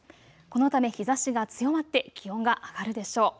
このため日ざしが強まって気温が上がるでしょう。